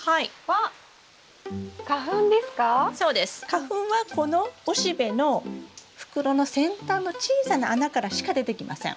花粉はこの雄しべの袋の先端の小さな穴からしか出てきません。